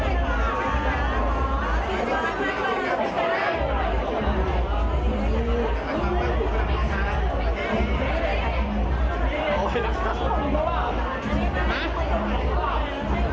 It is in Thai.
ตอนนี้ก็ไม่มีเวลาให้กลับมาเที่ยวแต่ว่าจะมีเวลาให้กลับมาเที่ยว